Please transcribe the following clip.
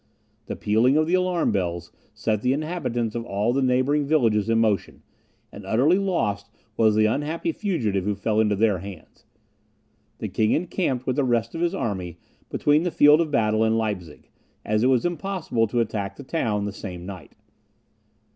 The pealing of the alarm bells set the inhabitants of all the neighbouring villages in motion, and utterly lost was the unhappy fugitive who fell into their hands. The king encamped with the rest of his army between the field of battle and Leipzig, as it was impossible to attack the town the same night.